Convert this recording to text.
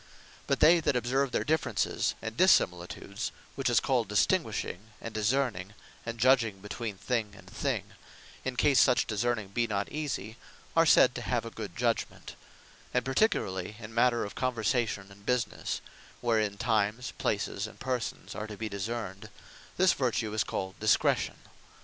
But they that observe their differences, and dissimilitudes; which is called Distinguishing, and Discerning, and Judging between thing and thing; in case, such discerning be not easie, are said to have a Good Judgement: and particularly in matter of conversation and businesse; wherein, times, places, and persons are to be discerned, this Vertue is called DISCRETION.